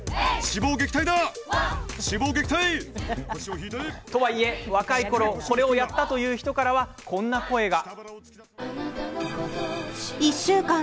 脂肪撃退！とはいえ、若いころこれをやったという人からはこんな声が。